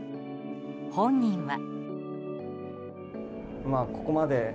本人は。